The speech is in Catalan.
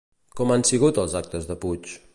Com han sigut els actes de Puig?